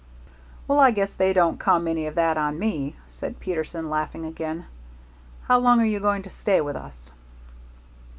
"Well, I guess they don't come any of that on me," said Peterson, laughing again. "How long are you going to stay with us?"